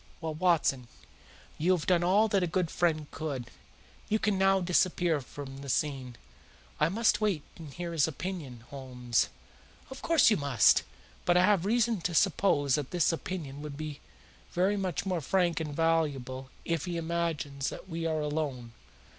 Well, Watson, you have done all that a good friend could. You can now disappear from the scene." "I must wait and hear his opinion, Holmes." "Of course you must. But I have reasons to suppose that this opinion would be very much more frank and valuable if he imagines that we are alone.